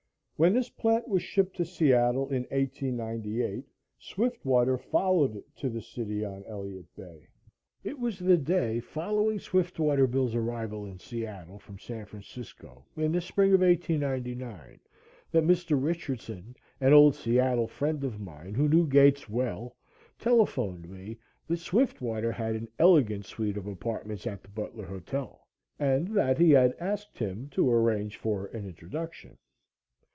When this plant was shipped to Seattle in 1898, Swiftwater followed it to the city on Elliott Bay. It was the day following Swiftwater Bill's arrival in Seattle from San Francisco in the spring of 1899 that Mr. Richardson, an old Seattle friend of mine, who knew Gates well, telephoned me that Swiftwater had an elegant suite of apartments at the Butler Hotel, and that he had asked him to arrange for an introduction.